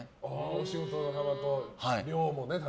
お仕事の幅と量もね。